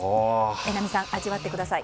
榎並さん、味わってください。